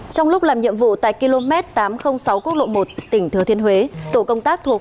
trong lúc làm nhiệm vụ tại km tám trăm linh sáu quốc lộ một tỉnh thừa thiên huế tổ công tác thuộc